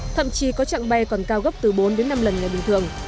thậm chí có trạng bay còn cao gấp từ bốn đến năm lần ngày bình thường